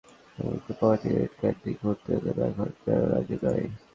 এমনকি পকেটে credit card নিয়ে ঘুরতেও তারা এখন যেন রাজি নয়।